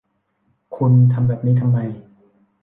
คุณทำแบบนั้นทำไม